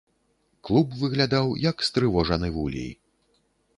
Клуб выглядаў, як стрывожаны вулей.